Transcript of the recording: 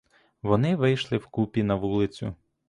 Вони вийшли вкупі на вулицю.